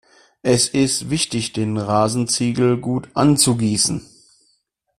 Es ist wichtig, den Rasenziegel gut anzugießen.